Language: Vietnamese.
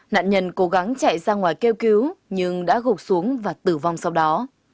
nạn nhân cố gắng chạy ra ngoài kêu cứu nhưng đã gục xuống và tử vong sau đó